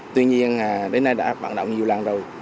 tuy nhiên đến nay đã vận động nhiều lần rồi